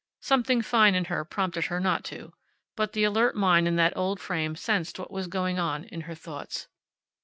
Something fine in her prompted her not to. But the alert mind in that old frame sensed what was going on in her thoughts.